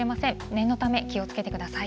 念のため、気をつけてください。